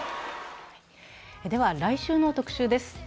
来週の特集です。